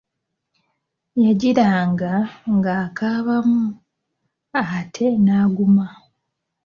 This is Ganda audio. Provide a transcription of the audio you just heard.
Yagiranga ng’akaabamu, ate n’aguma.